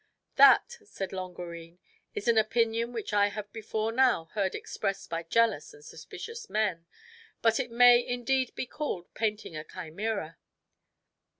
"That," said Longarine, "is an opinion which I have before now heard expressed by jealous and suspicious men, but it may indeed be called painting a chimera.